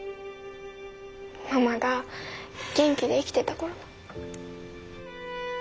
ママが元気で生きてた頃の。